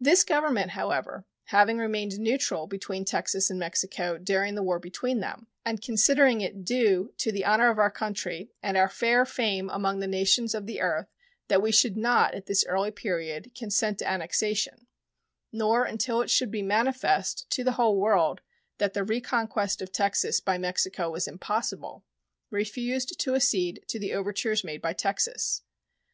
This Government, however, having remained neutral between Texas and Mexico during the war between them, and considering it due to the honor of our country and our fair fame among the nations of the earth that we should not at this early period consent to annexation, nor until it should be manifest to the whole world that the reconquest of Texas by Mexico was impossible, refused to accede to the overtures made by Texas.